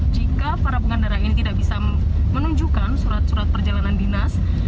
jika para pengendara ini tidak bisa menunjukkan surat surat perjalanan dinas